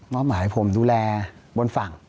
อบหมายให้ผมดูแลบนฝั่ง